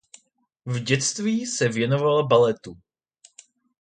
V dětství se věnovala baletu.